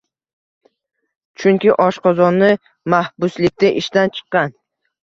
Chunki oshqozoni mahbuslikda ishdan chiqqan.